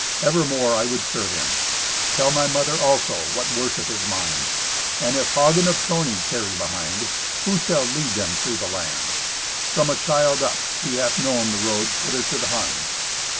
Evermore I would serve him. Tell my mother, also, what worship is mine. And if Hagen of Trony tarry behind, who shall lead them through the land? From a child up he hath known the roads hither to the Huns."